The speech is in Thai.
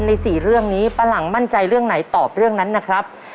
๔เรื่องนี้ป้าหลังมั่นใจเรื่องไหนตอบเรื่องนั้นนะครับ